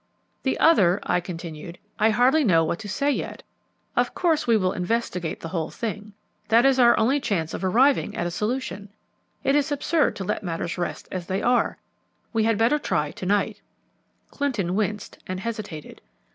"The other," I continued, "I hardly know what to say yet. Of course we will investigate the whole thing, that is our only chance of arriving at a solution. It is absurd to let matters rest as they are. We had better try to night." Clinton winced and hesitated.